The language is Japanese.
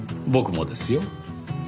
僕もですよ。